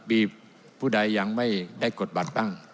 มีผู้ใดยังไม่ได้กดบัตรบ้าง